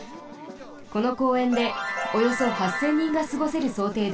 この公園でおよそ８，０００人がすごせるそうていです。